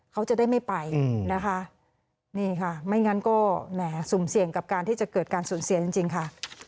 เขาจะได้ไม่ไปนะคะนี่ค่ะไม่งั้นก็แหม่สุ่มเสี่ยงกับการที่จะเกิดการสูญเสียจริงค่ะ